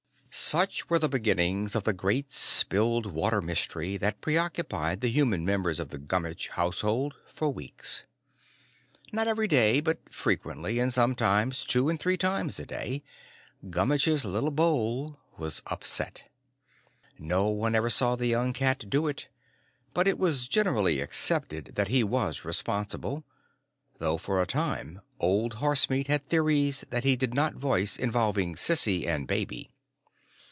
Such were the beginnings of the Great Spilled Water Mystery that preoccupied the human members of the Gummitch household for weeks. Not every day, but frequently, and sometimes two and three times a day, Gummitch's little bowl was upset. No one ever saw the young cat do it. But it was generally accepted that he was responsible, though for a time Old Horsemeat had theories that he did not voice involving Sissy and Baby.